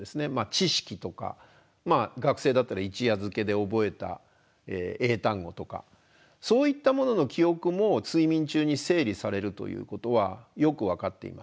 知識とか学生だったら一夜漬けで覚えた英単語とかそういったものの記憶も睡眠中に整理されるということはよく分かっています。